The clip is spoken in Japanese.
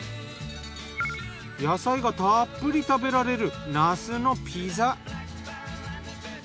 野菜がたっぷり食べられるなすのピザ。